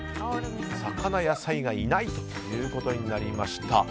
魚、野菜がいないということになりました。